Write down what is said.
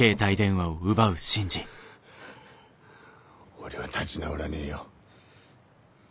俺は立ぢ直らねえよ。